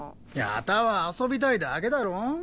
矢田は遊びたいだけだろ？